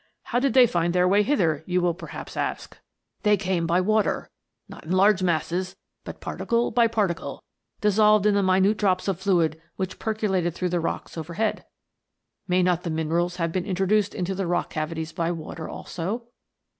How did they find their way hither, yo\i will perhaps ask. They came by water, not in large masses, but particle by particle, dissolved in the minute drops of fluid which percolated through the rocks overhead. May not the minerals have been introduced into the rock cavities by water also